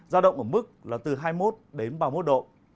gia động ở mức ba mươi hai ba mươi năm độ